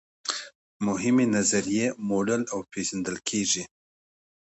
مهمې نظریې موډل او پیژندل کیږي.